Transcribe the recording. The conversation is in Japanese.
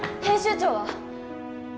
編集長は！？